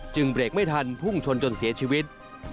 เบรกไม่ทันพุ่งชนจนเสียชีวิต